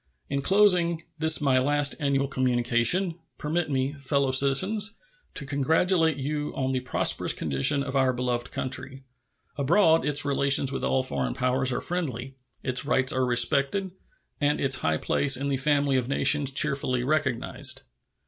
In closing this my last annual communication, permit me, fellow citizens, to congratulate you on the prosperous condition of our beloved country. Abroad its relations with all foreign powers are friendly, its rights are respected, and its high place in the family of nations cheerfully recognized.